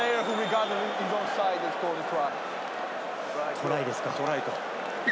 トライですか？